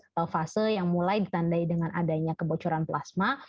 atau fase yang mulai ditandai dengan adanya kebocoran plasma